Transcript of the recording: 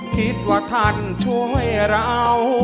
คิดว่าท่านช่วยเรา